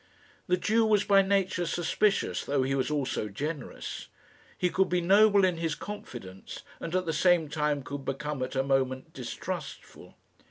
The Jew was by nature suspicious, though he was also generous. He could be noble in his confidence, and at the same time could become at a moment distrustful.